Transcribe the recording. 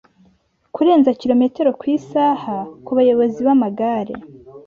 kurenza km/h kubayobozi b’amagare